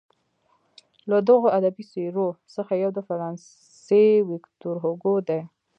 له دغو ادبي څیرو څخه یو د فرانسې ویکتور هوګو دی.